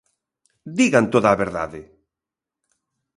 ¡Digan toda a verdade!